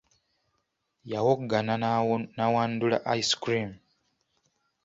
Yawoggana na wandula ice cream.